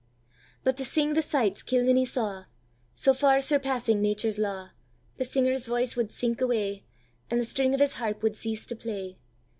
But to sing the sights Kilmeny saw, So far surpassing nature's law, The singer's voice wad sink away, And the string of his harp wad cease to play.